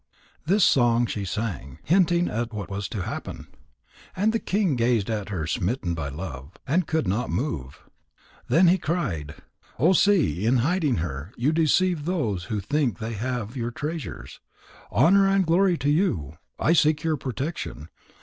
This song she sang, hinting at what was to happen. And the king gazed at her smitten by love, and could not move. Then he cried: "O Sea, in hiding her, you deceive those who think they have your treasures. Honour and glory to you! I seek your protection.